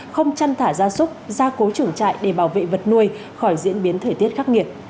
không chăn thả ra súc ra cố trưởng trại để bảo vệ vật nuôi khỏi diễn biến thời tiết khắc nghiệt